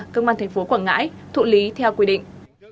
công an tp quảng ngãi thụ lý theo quy định